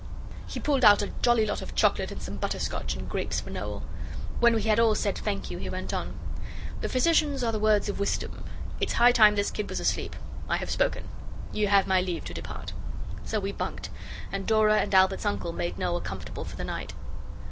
He pulled out a jolly lot of chocolate and some butterscotch, and grapes for Noel. When we had all said thank you, he went on. 'The physician's are the words of wisdom: it's high time this kid was asleep. I have spoken. Ye have my leave to depart.' So we bunked, and Dora and Albert's uncle made Noel comfortable for the night.